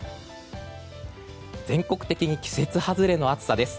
全国的に季節外れの暑さです。